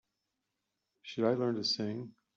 Should I learn to sing?